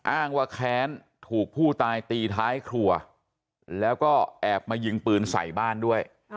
อ้างว่าแค้นถูกผู้ตายตีท้ายครัวแล้วก็แอบมายิงปืนใส่บ้านด้วย